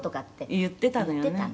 「言ってたのよね」